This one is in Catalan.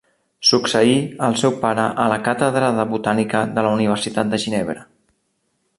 Succeí el seu pare a la càtedra de botànica de la Universitat de Ginebra.